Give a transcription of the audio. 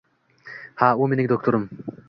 Ha u mening doktorim